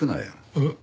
えっ？